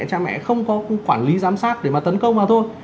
cha mẹ không có quản lý giám sát để mà tấn công vào thôi